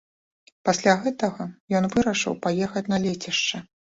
Пасля гэтага ён вырашыў паехаць на лецішча.